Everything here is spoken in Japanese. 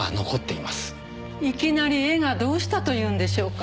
いきなり絵がどうしたというんでしょうか？